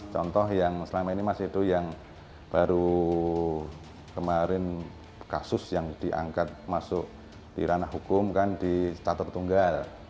contoh yang selama ini mas edo yang baru kemarin kasus yang diangkat masuk di ranah hukum kan di statur tunggal